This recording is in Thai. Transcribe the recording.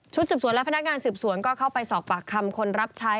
สืบสวนและพนักงานสืบสวนก็เข้าไปสอบปากคำคนรับใช้